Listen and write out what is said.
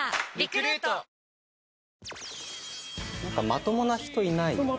まともな人いない。